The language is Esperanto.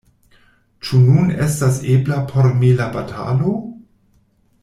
Ĉu nun estas ebla por mi la batalo?